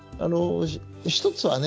一つはね